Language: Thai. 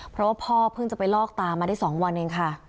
เพราะว่าพ่อเพิ่งไปลอกตามาได้สองวันนะ